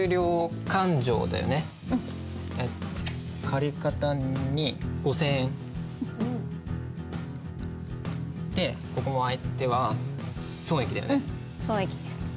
借方に５，０００円でここも相手は損益だよね。